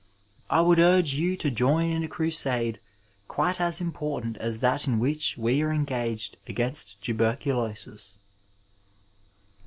I would urge you to join in a crusade quite as important as tbat in which we are engaged against tuberouiosis.